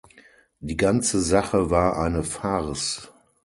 Die ganze Sache war eine Farce!